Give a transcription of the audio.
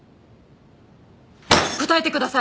答えてください！